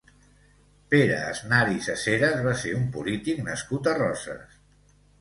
Pere Aznar i Seseres va ser un polític nascut a Roses.